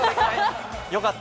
よかった。